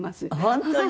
本当に？